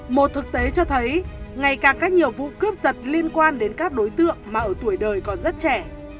một thực tế cho thấy ngày càng các nhiều vụ cướp giật liên quan đến các đối tượng mà ở tuổi đời còn rất trẻ